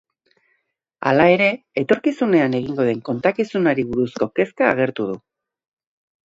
Hala ere, etorkizunean egingo den kontakizunari buruzko kezka agertu du.